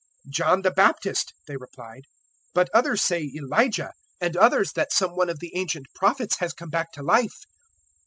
009:019 "John the Baptist," they replied; "but others say Elijah; and others that some one of the ancient Prophets has come back to life."